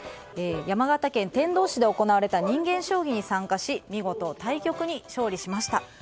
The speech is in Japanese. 山形県天童市で行われた人間将棋に参加し見事、対局に勝利しました。